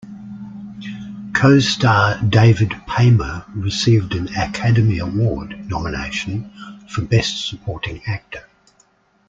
Co-star David Paymer received an Academy Award nomination for Best Supporting Actor.